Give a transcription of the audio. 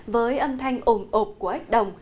với âm thanh ổn ộp của ếch đồng